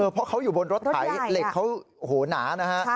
เพราะเขาอยู่บนรถไถเหล็กเขาโอ้โหหนานะฮะ